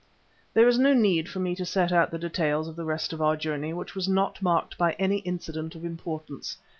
There is no need for me to set out the details of the rest of our journey, which was not marked by any incident of importance.